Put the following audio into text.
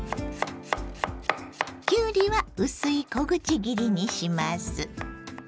きゅうりは薄い小口切りにします。